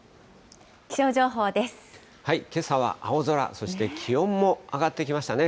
けさは青空、そして気温も上がってきましたね。